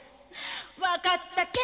分かったけ！